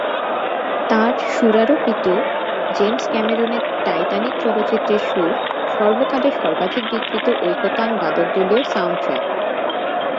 তার সুরারোপিত জেমস ক্যামেরনের "টাইটানিক" চলচ্চিত্রের সুর সর্বকালের সর্বাধিক বিক্রীত ঐকতান বাদকদলীয় সাউন্ডট্র্যাক।